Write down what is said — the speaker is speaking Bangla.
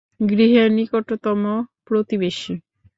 গৃহের নিকটতম প্রতিবেশী।